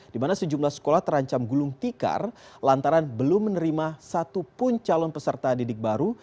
di mana sejumlah sekolah terancam gulung tikar lantaran belum menerima satupun calon peserta didik baru